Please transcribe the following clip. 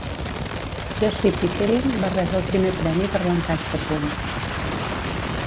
Josie Pickering va rebre el primer premi per l'encaix de punt.